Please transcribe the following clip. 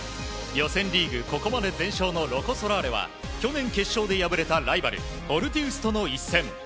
予選リーグ、ここまで全勝のロコ・ソラーレは去年決勝で敗れたライバルフォルティウスとの一戦。